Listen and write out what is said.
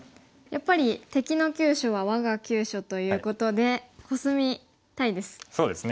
やっぱり「敵の急所は我が急所」ということでコスみたいです。